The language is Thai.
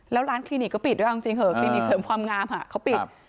แล้วร้านคลินิกก็ปิดด้วยเอาจริงเหอะคลินิกเสริมความงามเขาปิด